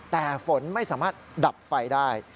แต่ฝนไม่สามารถดับไฟได้